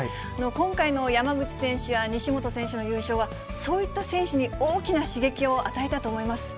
今回の山口選手や西本選手の優勝は、そういった選手に大きな刺激を与えたと思います。